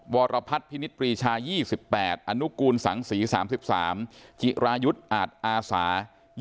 วรพัฒน์พินิษฐปรีชา๒๘อนุกูลสังศรี๓๓จิรายุทธ์อาจอาสา